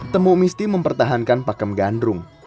temu misti mempertahankan pakem gandrung